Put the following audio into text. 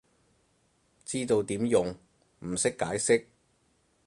知道點用，唔識解釋